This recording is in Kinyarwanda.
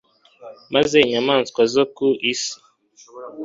maze inyamaswa zo ku isi